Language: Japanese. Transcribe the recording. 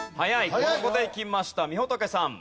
ここできましたみほとけさん。